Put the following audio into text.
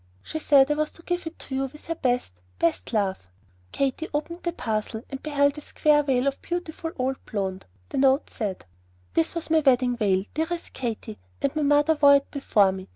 She said I was to give it to you with her best, best love." Katy opened the parcel, and beheld a square veil of beautiful old blonde. The note said: This was my wedding veil, dearest Katy, and my mother wore it before me.